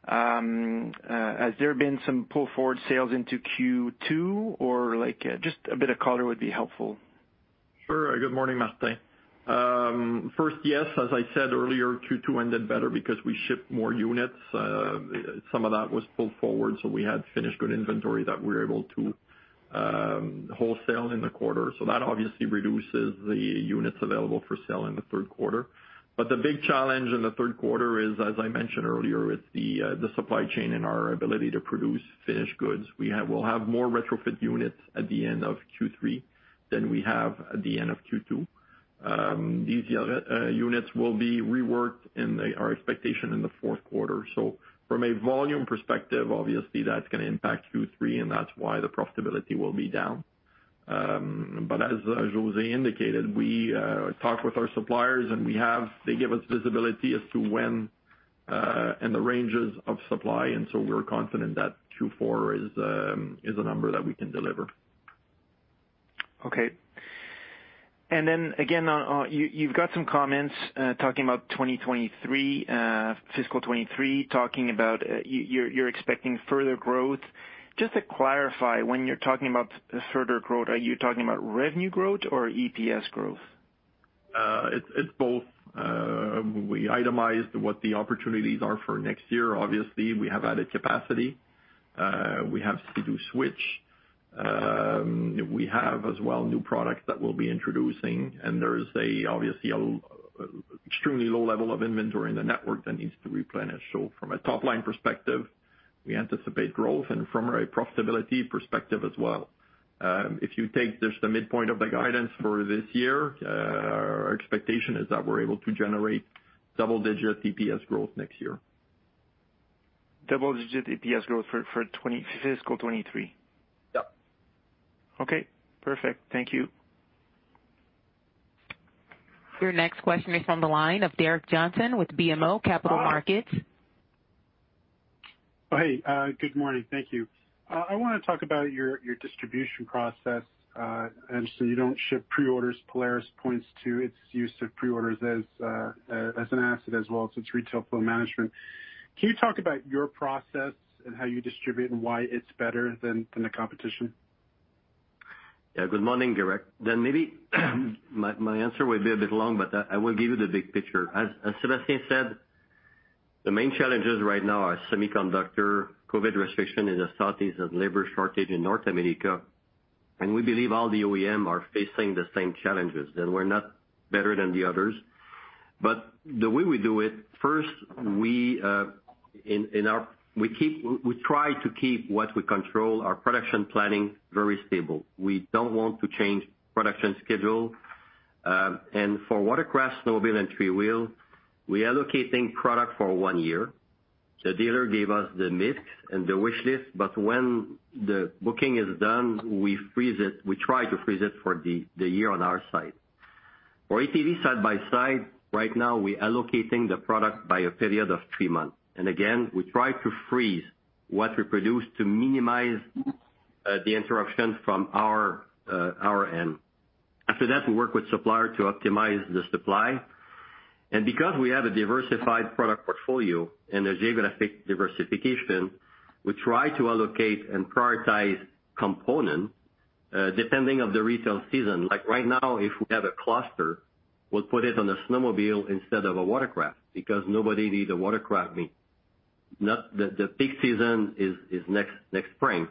Has there been some pull-forward sales into Q2 or just a bit of color would be helpful? Good morning, Martin. Yes, as I said earlier, Q2 ended better because we shipped more units. Some of that was pulled forward, we had finished good inventory that we were able to wholesale in the quarter. That obviously reduces the units available for sale in the third quarter. The big challenge in the third quarter is, as I mentioned earlier, with the supply chain and our ability to produce finished goods. We'll have more retrofit units at the end of Q3 than we have at the end of Q2. These units will be reworked in our expectation in the fourth quarter. From a volume perspective, obviously, that's going to impact Q3, and that's why the profitability will be down. As José indicated, we talk with our suppliers, and they give us visibility as to when and the ranges of supply. We're confident that Q4 is a number that we can deliver. Okay. Again, you've got some comments talking about 2023, fiscal 2023, talking about you're expecting further growth. Just to clarify, when you're talking about further growth, are you talking about revenue growth or EPS growth? It's both. We itemized what the opportunities are for next year. Obviously, we have added capacity. We have Sea-Doo Switch. We have as well new products that we'll be introducing. There is obviously extremely low level of inventory in the network that needs to replenish. From a top-line perspective, we anticipate growth, and from a profitability perspective as well. If you take just the midpoint of the guidance for this year, our expectation is that we're able to generate double-digit EPS growth next year. Double-digit EPS growth for fiscal 2023? Yeah. Okay, perfect. Thank you. Your next question is on the line of Gerrick Johnson with BMO Capital Markets. Hey, good morning. Thank you. I want to talk about your distribution process. I understand you don't ship pre-orders. Polaris points to its use of pre-orders as an asset as well as its retail flow management. Can you talk about your process and how you distribute and why it's better than the competition? Yeah. Good morning, Derrick. Maybe my answer will be a bit long, but I will give you the big picture. As Sébastien said, the main challenges right now are semiconductor, COVID restriction in the Southeast, and labor shortage in North America, and we believe all the OEM are facing the same challenges. That we're not better than the others. The way we do it, first, we try to keep what we control, our production planning, very stable. We don't want to change production schedule. For watercraft, snowmobile, and three wheel, we are allocating product for one year. The dealer gave us the mix and the wish list, but when the booking is done, we freeze it. We try to freeze it for the year on our side. For ATV Side-by-Side, right now we're allocating the product by a period of 3 months. Again, we try to freeze what we produce to minimize the interruption from our end. After that, we work with suppliers to optimize the supply. Because we have a diversified product portfolio and a geographic diversification, we try to allocate and prioritize components, depending on the retail season. Like right now, if we have a cluster, we'll put it on a snowmobile instead of a watercraft because nobody needs a watercraft. The peak season is next spring.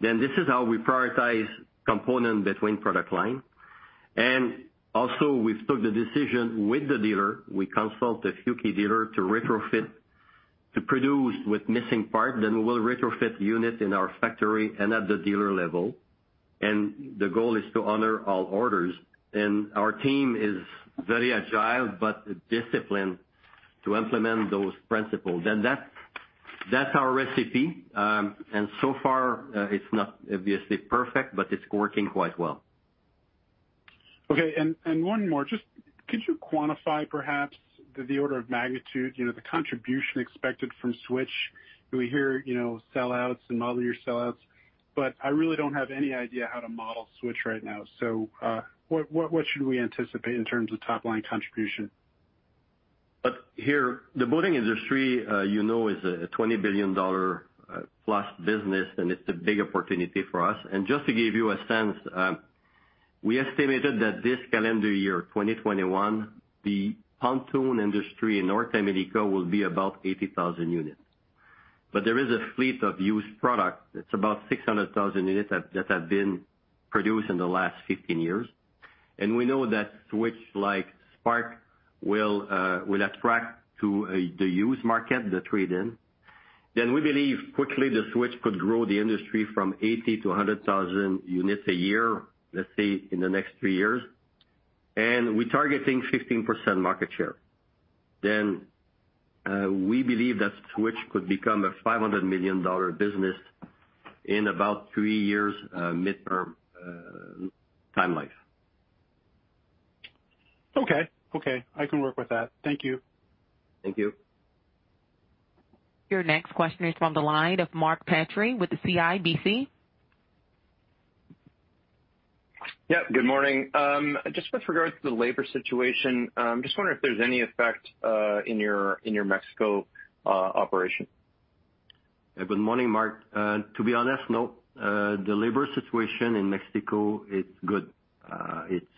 This is how we prioritize components between product lines. Also, we've taken the decision with the dealers. We consult a few key dealers to retrofit, to produce with missing parts. We'll retrofit units in our factory and at the dealer level. The goal is to honor all orders. Our team is very agile but disciplined to implement those principles. That's our recipe, and so far it's not obviously perfect, but it's working quite well. Okay, and one more. Just could you quantify perhaps the order of magnitude, the contribution expected from Switch? We hear sellouts and model year sellouts, but I really don't have any idea how to model Switch right now. What should we anticipate in terms of top-line contribution? Here, the boating industry, you know, is a 20 billion dollar+ business, and it's a big opportunity for us. Just to give you a sense, we estimated that this calendar year, 2021, the pontoon industry in North America will be about 80,000 units. There is a fleet of used product that's about 600,000 units that have been produced in the last 15 years. We know that Switch, like Spark, will attract to the used market, the trade-in. We believe quickly the Switch could grow the industry from 80,000-100,000 units a year, let's say in the next three years. We're targeting 15% market share. We believe that Switch could become a 500 million dollar business in about three years, midterm timeline. Okay. I can work with that. Thank you. Thank you. Your next question is from the line of Mark Petrie with the CIBC. Yeah, good morning. Just with regards to the labor situation, I'm just wondering if there's any effect in your Mexico operation? Good morning, Mark. To be honest, no. The labor situation in Mexico, it's good.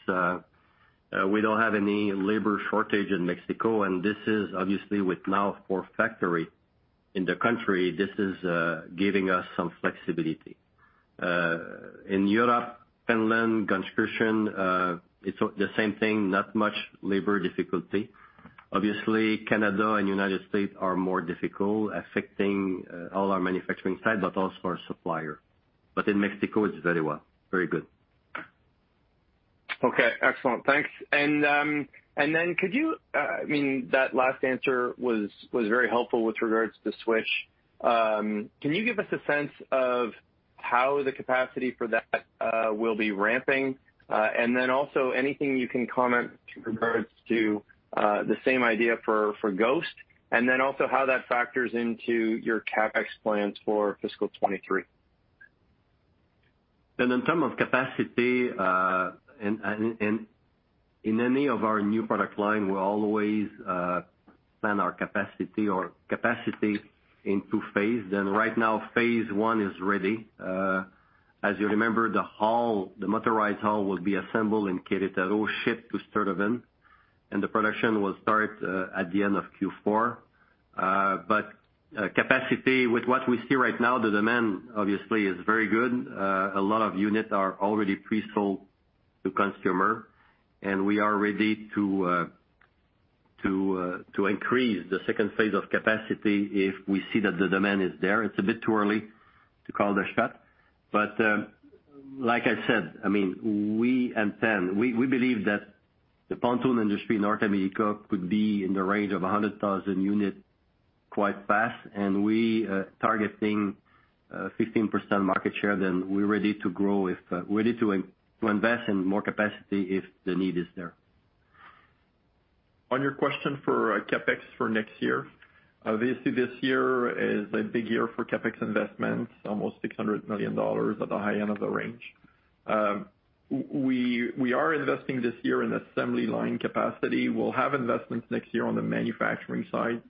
We don't have any labor shortage in Mexico. This is obviously with now four factories in the country, this is giving us some flexibility. In Europe, Finland, Gunskirchen, it's the same thing, not much labor difficulty. Obviously, Canada and U.S. are more difficult, affecting all our manufacturing sites, but also our suppliers. In Mexico, it's very well. Very good. Okay, excellent. Thanks. I mean, that last answer was very helpful with regards to Switch. Can you give us a sense of how the capacity for that will be ramping? Also anything you can comment with regards to the same idea for Ghost, and also how that factors into your CapEx plans for fiscal 2023. In terms of capacity, in any of our new product line, we always plan our capacity or capacity in two phases. Right now, phase I is ready. As you remember, the motorized hull will be assembled in Querétaro, shipped to Sturtevant, and the production will start at the end of Q4. Capacity with what we see right now, the demand obviously is very good. A lot of units are already pre-sold to consumer, and we are ready to increase the phase II capacity if we see that the demand is there. It's a bit too early to call the shot. Like I said, we intend, we believe that the pontoon industry in North America could be in the range of 100,000 units quite fast. We targeting 15% market share, then we're ready to grow if we're ready to invest in more capacity if the need is there. On your question for CapEx for next year, obviously this year is a big year for CapEx investments, almost 600 million dollars at the high end of the range. We are investing this year in assembly line capacity. We'll have investments next year on the manufacturing side,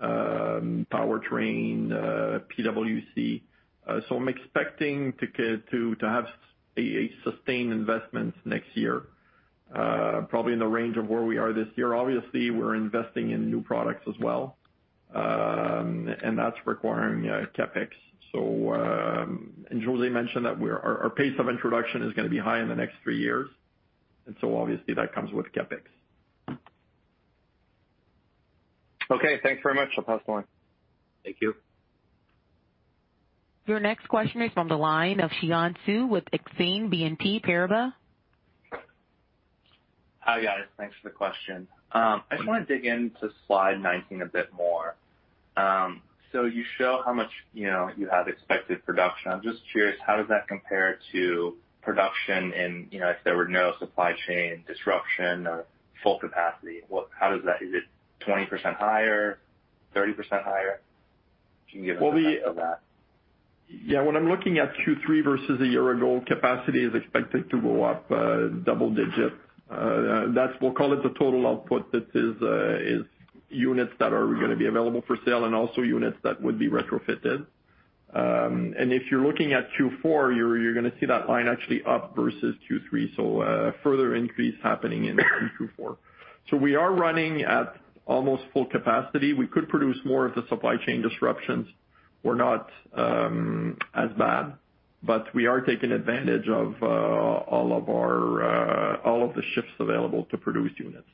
powertrain, PWC. I'm expecting to have a sustained investment next year, probably in the range of where we are this year. Obviously, we're investing in new products as well, that's requiring CapEx. José mentioned that our pace of introduction is going to be high in the next three years, obviously that comes with CapEx. Okay, thanks very much. I'll pass the line. Thank you. Your next question is from the line of Xian Siew with Exane BNP Paribas. Hi, guys. Thanks for the question. I just want to dig into slide 19 a bit more. You show how much you have expected production. I'm just curious, how does that compare to production in, if there were no supply chain disruption, full capacity? Is it 20% higher, 30% higher? Can you give us a sense of that? Yeah. When I'm looking at Q3 versus a year ago, capacity is expected to go up double-digit. We'll call it the total output that is units that are going to be available for sale and also units that would be retrofitted. If you're looking at Q4, you're going to see that line actually up versus Q3, so a further increase happening in Q4. We are running at almost full capacity. We could produce more if the supply chain disruptions were not as bad, but we are taking advantage of all of the shifts available to produce units.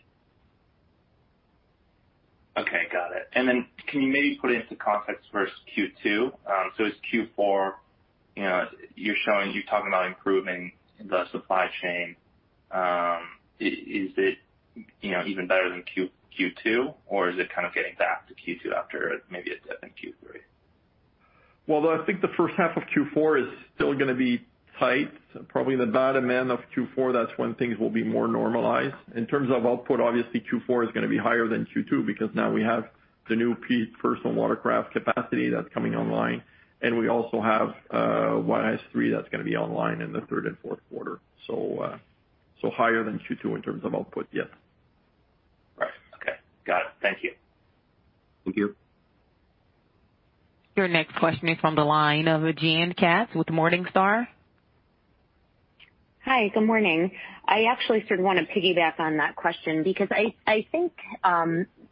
Okay, got it. Can you maybe put it into context versus Q2? It's Q4, you're talking about improving the supply chain. Is it even better than Q2, or is it kind of getting back to Q2 after maybe a dip in Q3? Well, I think the first half of Q4 is still going to be tight. Probably in the bottom end of Q4, that's when things will be more normalized. In terms of output, obviously Q4 is going to be higher than Q2 because now we have the new personal watercraft capacity that's coming online, and we also have YS3 that's going to be online in the third and fourth quarter. Higher than Q2 in terms of output, yes. Right. Okay. Got it. Thank you. Thank you. Your next question is from the line of Jaime Katz with Morningstar. Hi, good morning. I actually sort of want to piggyback on that question because I think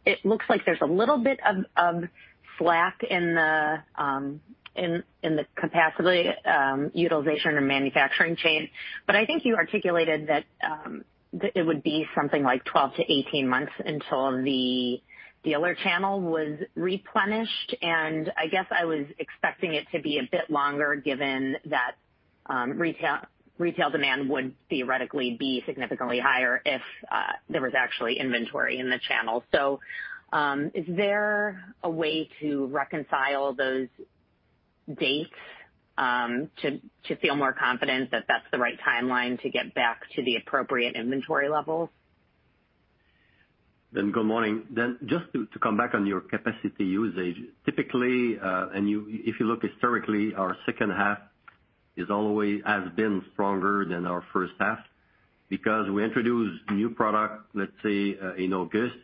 it looks like there's a little bit of slack in the capacity utilization or manufacturing chain. I think you articulated that it would be something like 12 to 18 months until the dealer channel was replenished. I guess I was expecting it to be a bit longer given that retail demand would theoretically be significantly higher if there was actually inventory in the channel. Is there a way to reconcile those dates to feel more confident that that's the right timeline to get back to the appropriate inventory levels? Good morning. Just to come back on your capacity usage. Typically, if you look historically, our second half has been stronger than our first half because we introduce new product, let's say, in August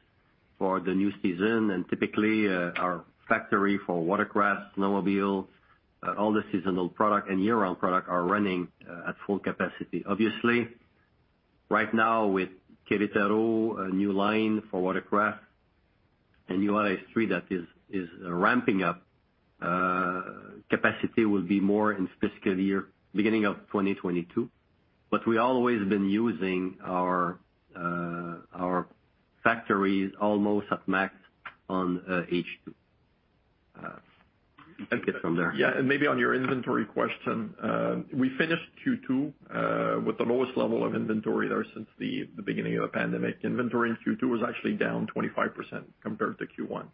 for the new season. Typically, our factory for watercraft, snowmobiles, all the seasonal product and year-round product are running at full capacity. Obviously, right now with Querétaro, a new line for watercraft and URS-3 that is ramping up, capacity will be more in fiscal year, beginning of 2022. We always been using our factories almost at max on H2. I'll get from there. Yeah, maybe on your inventory question. We finished Q2 with the lowest level of inventory there since the beginning of the pandemic. Inventory in Q2 was actually down 25% compared to Q1.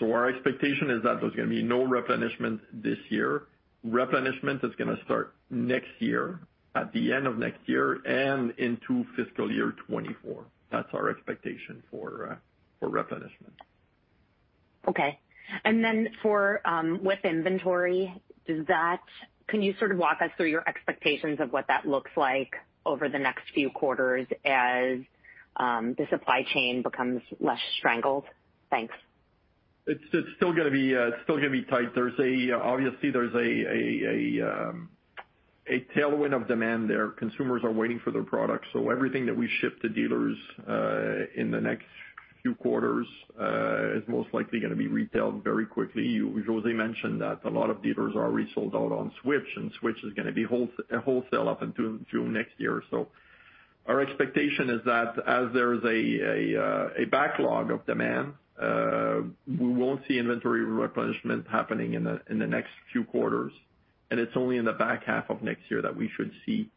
Our expectation is that there's going to be no replenishment this year. Replenishment is going to start next year, at the end of next year and into fiscal year 2024. That's our expectation for replenishment. Okay. With inventory, can you sort of walk us through your expectations of what that looks like over the next few quarters as the supply chain becomes less strangled? Thanks. It's still going to be tight. Obviously, there's a tailwind of demand there. Consumers are waiting for their products. Everything that we ship to dealers in the next few quarters is most likely going to be retailed very quickly. José mentioned that a lot of dealers are resold out on Switch is going to be wholesale up until June next year or so. Our expectation is that as there is a backlog of demand, we won't see inventory replenishment happening in the next few quarters, it's only in the back half of next year that we should see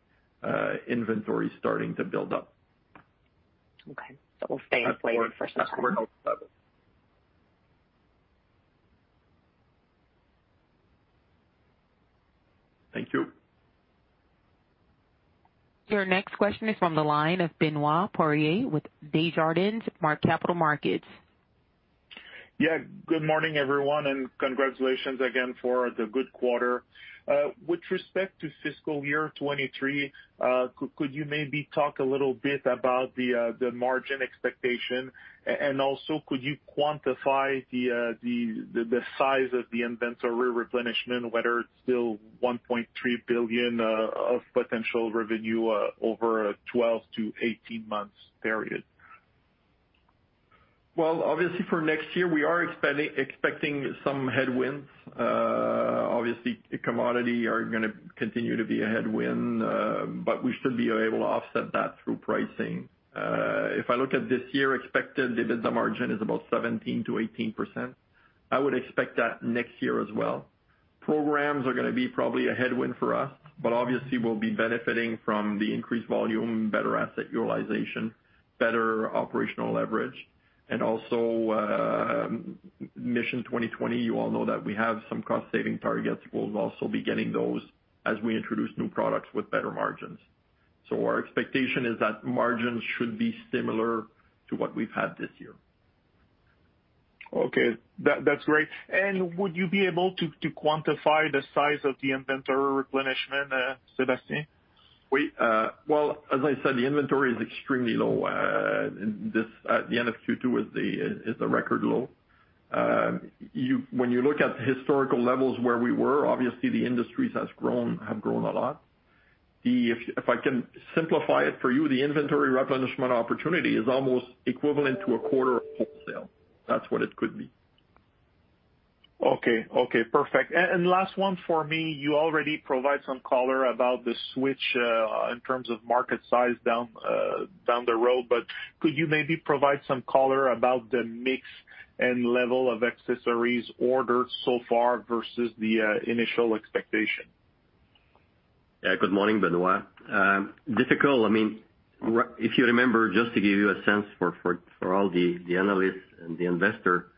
inventory starting to build up. Okay. We'll stay inflated for some time. That's where. Thank you. Your next question is from the line of Benoit Poirier with Desjardins Capital Markets. Yeah. Good morning, everyone, and congratulations again for the good quarter. With respect to fiscal year 2023, could you maybe talk a little bit about the margin expectation? Also, could you quantify the size of the inventory replenishment, whether it is still 1.3 billion of potential revenue over a 12-18 months period? Obviously for next year, we are expecting some headwinds. Obviously, commodity are going to continue to be a headwind, but we should be able to offset that through pricing. I look at this year expected, the EBITDA margin is about 17%-18%. I would expect that next year as well. Programs are going to be probably a headwind for us, but obviously we'll be benefiting from the increased volume, better asset utilization, better operational leverage, and also, Mission 2020, you all know that we have some cost saving targets. We'll also be getting those as we introduce new products with better margins. Our expectation is that margins should be similar to what we've had this year. Okay. That's great. Would you be able to quantify the size of the inventory replenishment, Sébastien? Well, as I said, the inventory is extremely low. At the end of Q2 is the record low. When you look at the historical levels where we were, obviously the industries have grown a lot. If I can simplify it for you, the inventory replenishment opportunity is almost equivalent to a quarter of wholesale. That's what it could be. Okay. Perfect. Last one for me. You already provide some color about the Switch, in terms of market size down the road, but could you maybe provide some color about the mix and level of accessories ordered so far versus the initial expectation? Yeah. Good morning, Benoit. Difficult, if you remember, just to give you a sense for all the analysts and the investor.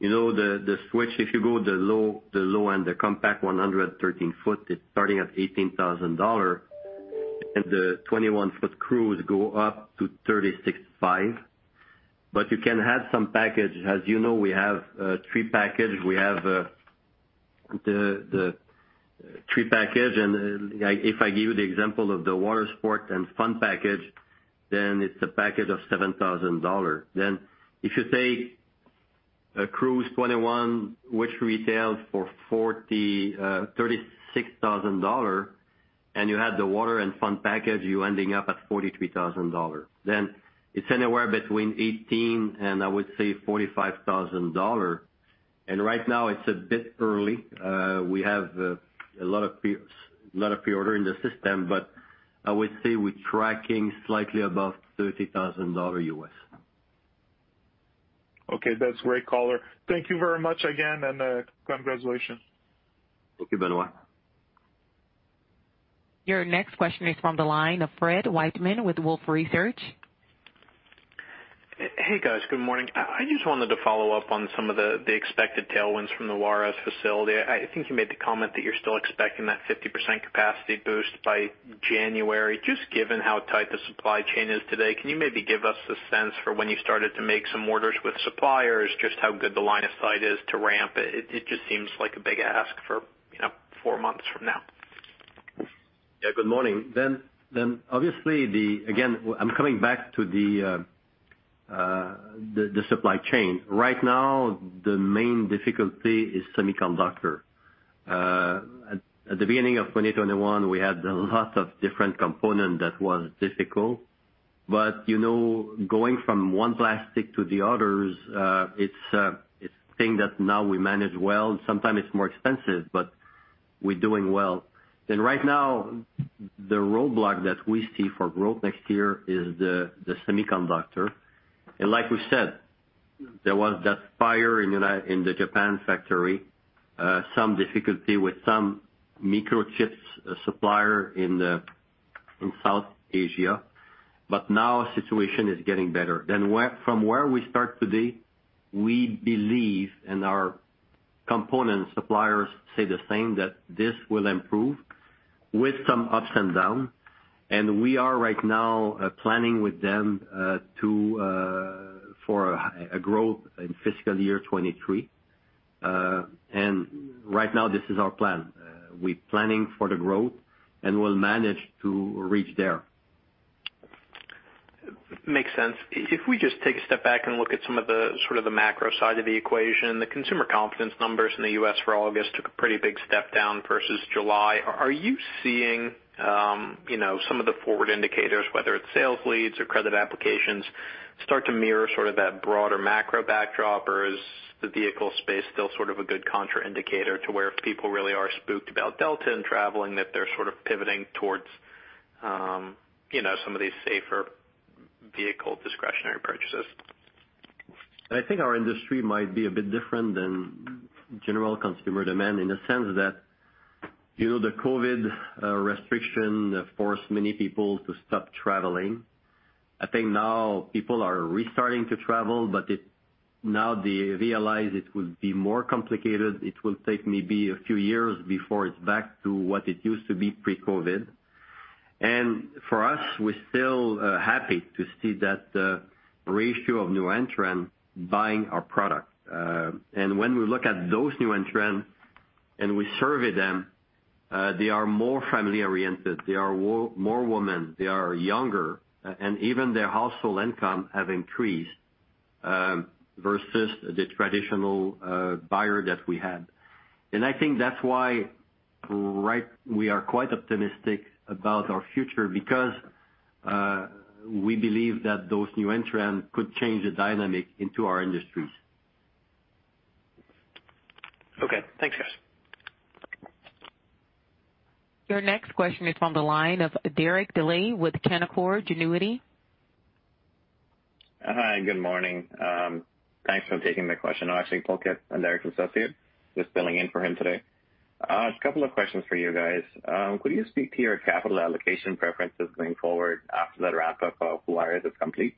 The Switch, if you go the low end, the compact 13-foot is starting at 18,000 dollars, and the 21-foot Cruise go up to 36,500. You can have some package. As you know, we have three packages. We have the three packages, if I give you the example of the water sport and fun package, it's a package of 7,000 dollars. If you take a Cruise 21, which retails for 36,000 dollars, and you add the water and fun package, you're ending up at 43,000 dollars. It's anywhere between 18,000 dollars and, I would say, 45,000 dollars. Right now it's a bit early. We have a lot of pre-order in the system, I would say we're tracking slightly above $30,000. Okay. That's great, caller. Thank you very much again, and congratulations. Thank you, Benoit. Your next question is from the line of Fred Wightman with Wolfe Research. Hey, guys. Good morning. I just wanted to follow up on some of the expected tailwinds from the Juárez facility. I think you made the comment that you're still expecting that 50% capacity boost by January. Just given how tight the supply chain is today, can you maybe give us a sense for when you started to make some orders with suppliers, just how good the line of sight is to ramp? It just seems like a big ask for four months from now. Yeah. Good morning. Again, I'm coming back to the supply chain. Right now, the main difficulty is semiconductor. At the beginning of 2021, we had a lot of different component that was difficult, but going from one plastic to the others, it's a thing that now we manage well. Sometimes it's more expensive, but we're doing well. Right now, the roadblock that we see for growth next year is the semiconductor. Like we said, there was that fire in the Japan factory, some difficulty with some microchips supplier in Southeast Asia, but now situation is getting better. From where we start today, we believe, and our component suppliers say the same, that this will improve with some ups and down, and we are right now planning with them for a growth in fiscal year 2023. Right now, this is our plan. We're planning for the growth, and we'll manage to reach there. Makes sense. If we just take a step back and look at some of the macro side of the equation, the consumer confidence numbers in the U.S. for August took a pretty big step down versus July. Are you seeing some of the forward indicators, whether it's sales leads or credit applications, start to mirror sort of that broader macro backdrop, or is the vehicle space still sort of a good contra indicator to where if people really are spooked about Delta and traveling, that they're sort of pivoting towards some of these safer vehicle discretionary purchases? I think our industry might be a bit different than general consumer demand in the sense that the COVID restriction forced many people to stop traveling. I think now people are restarting to travel, but now they realize it will be more complicated. It will take maybe a few years before it's back to what it used to be pre-COVID. For us, we're still happy to see that ratio of new entrant buying our product. When we look at those new entrants and we survey them, they are more family-oriented. They are more women, they are younger, and even their household income have increased, versus the traditional buyer that we had. I think that's why we are quite optimistic about our future because we believe that those new entrants could change the dynamic into our industries. Okay, thanks, guys. Your next question is on the line of Derek Dley with Canaccord Genuity. Hi, good morning. Thanks for taking the question. Actually, Pulkit, I'm Derek's associate, just filling in for him today. A couple of questions for you guys. Could you speak to your capital allocation preferences going forward after that ramp-up of Juárez is complete?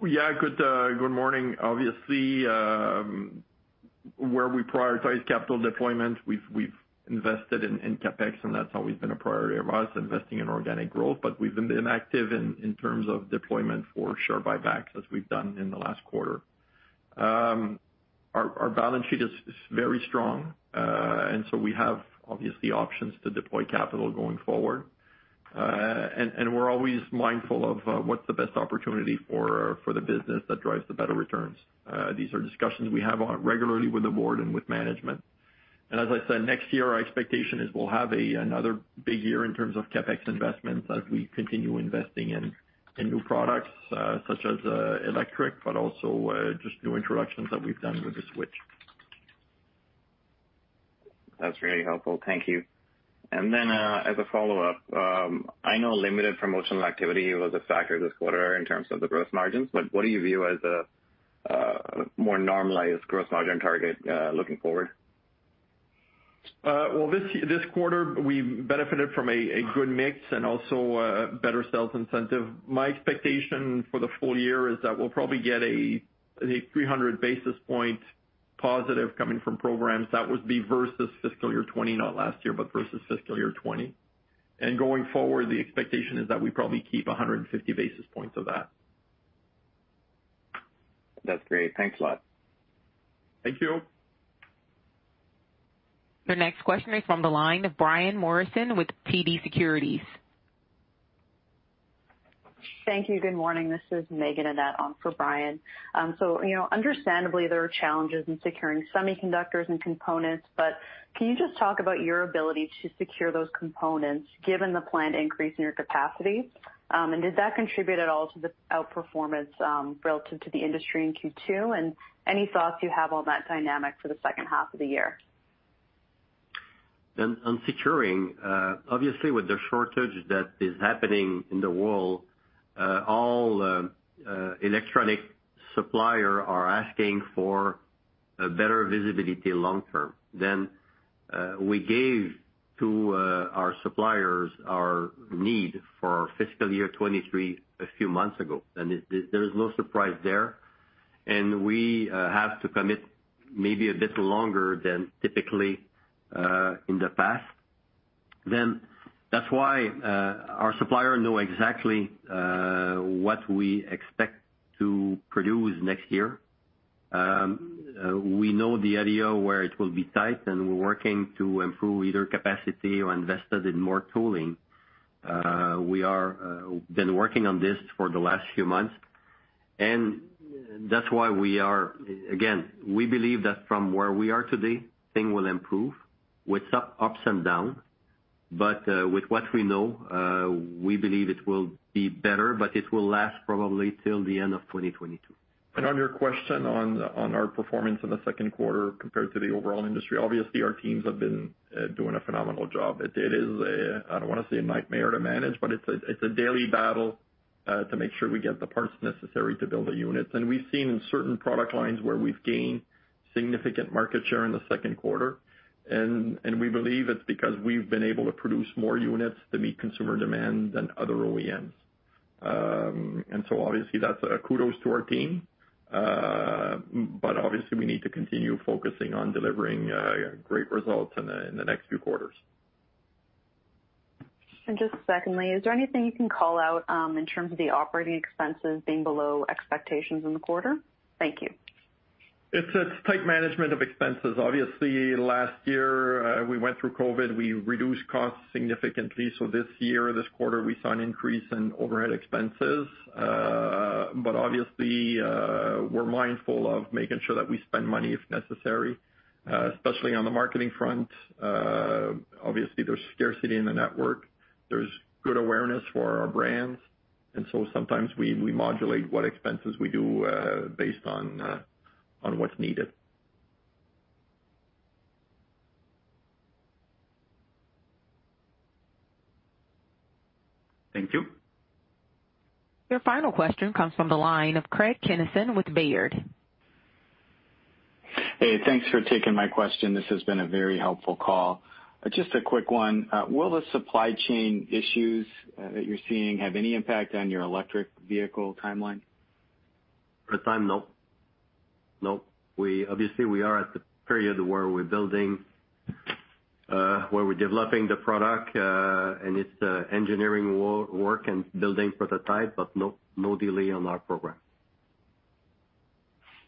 Good morning. Obviously, where we prioritize capital deployment, we've invested in CapEx, and that's always been a priority of ours, investing in organic growth. We've been active in terms of deployment for share buybacks as we've done in the last quarter. Our balance sheet is very strong, we have, obviously, options to deploy capital going forward. We're always mindful of what's the best opportunity for the business that drives the better returns. These are discussions we have regularly with the board and with management. As I said, next year, our expectation is we'll have another big year in terms of CapEx investments as we continue investing in new products, such as electric, but also just new introductions that we've done with the Switch. That's very helpful. Thank you. As a follow-up, I know limited promotional activity was a factor this quarter in terms of the gross margins, but what do you view as a more normalized gross margin target, looking forward? Well, this quarter, we benefited from a good mix and also a better sales incentive. My expectation for the full year is that we'll probably get a 300 basis points positive coming from programs. That would be versus fiscal year 2020, not last year, but versus fiscal year 2020. Going forward, the expectation is that we probably keep 150 basis points of that. That's great. Thanks a lot. Thank you. Your next question is from the line of Brian Morrison with TD Securities. Thank you. Good morning. This is Meaghen Annett on for Brian. Understandably there are challenges in securing semiconductors and components, but can you just talk about your ability to secure those components given the planned increase in your capacity? Did that contribute at all to the outperformance relative to the industry in Q2, and any thoughts you have on that dynamic for the second half of the year? On securing, obviously with the shortage that is happening in the world, all electronic suppliers are asking for a better visibility long term. We gave to our suppliers our need for our fiscal year 2023 a few months ago, and there is no surprise there, and we have to commit maybe a bit longer than typically in the past. That's why our suppliers know exactly what we expect to produce next year. We know the area where it will be tight, and we're working to improve either capacity or invested in more tooling. We've been working on this for the last few months, and that's why we believe that from where we are today, things will improve with ups and down. With what we know, we believe it will be better, but it will last probably till the end of 2022. On your question on our performance in the second quarter compared to the overall industry, obviously, our teams have been doing a phenomenal job. It is a, I don't want to say a nightmare to manage, but it's a daily battle to make sure we get the parts necessary to build the units. We've seen in certain product lines where we've gained significant market share in the second quarter, and we believe it's because we've been able to produce more units to meet consumer demand than other OEMs. Obviously, that's a kudos to our team. Obviously, we need to continue focusing on delivering great results in the next few quarters. Just secondly, is there anything you can call out in terms of the operating expenses being below expectations in the quarter? Thank you. It's tight management of expenses. Obviously, last year, we went through COVID, we reduced costs significantly. This year, this quarter, we saw an increase in overhead expenses. Obviously, we're mindful of making sure that we spend money if necessary, especially on the marketing front. Obviously, there's scarcity in the network. There's good awareness for our brands, sometimes we modulate what expenses we do based on what's needed. Thank you. Your final question comes from the line of Craig Kennison with Baird. Hey, thanks for taking my question. This has been a very helpful call. Just a quick one. Will the supply chain issues that you're seeing have any impact on your electric vehicle timeline? For the time, no. Obviously, we are at the period where we're building, where we're developing the product, and it's engineering work and building prototype, but no delay on our program.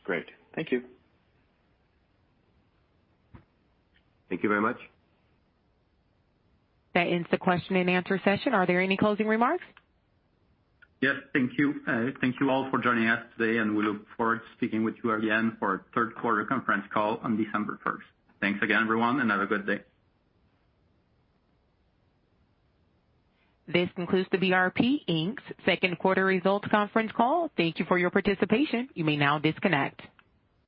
Great. Thank you. Thank you very much. That ends the question and answer session. Are there any closing remarks? Yes. Thank you. Thank you all for joining us today, and we look forward to speaking with you again for our third quarter conference call on December 1st. Thanks again, everyone, and have a good day. This concludes the BRP Inc. second quarter results conference call. Thank you for your participation. You may now disconnect.